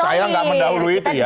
saya nggak mendahului itu ya